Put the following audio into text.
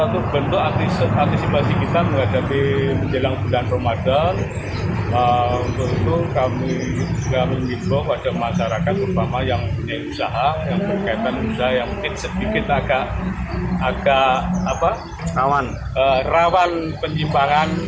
di bimbo ada masyarakat yang punya usaha yang mungkin sedikit agak rawan penyimpanan tindakan susila atau tindakan narkoba